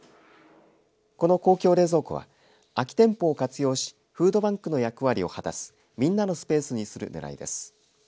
この公共冷蔵庫は空き店舗を活用しフードバンクの役割を果たすみんなのスペースにするねらいです。